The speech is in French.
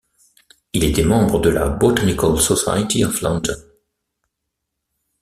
Il était membre de la Botanical Society of London.